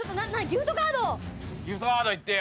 ギフトカードいってよ。